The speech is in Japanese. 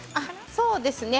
そうですね。